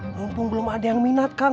mumpung belum ada yang minat kang